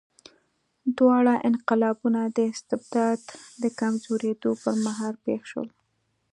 دواړه انقلابونه د استبداد د کمزورېدو پر مهال پېښ شول.